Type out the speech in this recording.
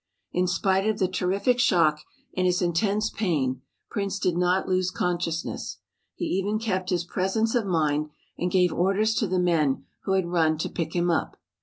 In spite of the terrific shock and his intense pain Prince did not lose consciousness. He even kept his presence of mind and gave orders to the men who had run to pick him up.